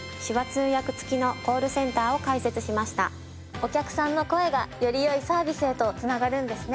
お客さんの声がより良いサービスへと繋がるんですね。